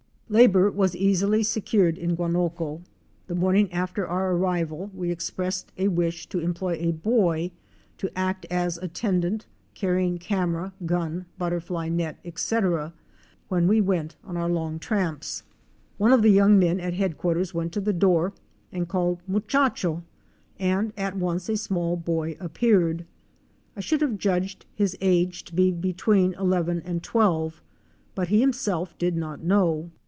Labor was easily secured in Guanoco. The morning after our arrival we expressed a wish to employ a boy to act as attendant, carrying camera, gun, butterfly net, etc., when we went on our long tramps. One of the young men at head quarters went to the door and called " muchacho," and at once a small boy appeared. I should have judged his age to be between eleven and twelve; but he himself did not know.